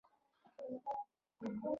پیاز د انسان ذهن تازه ساتي